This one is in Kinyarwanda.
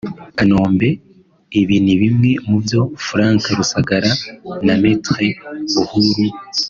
Kanombe – Ibi ni bimwe mu byo Frank Rusagara na Me Buhuru P